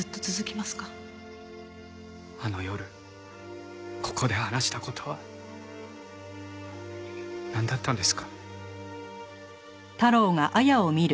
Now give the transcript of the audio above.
あの夜ここで話した事はなんだったんですか？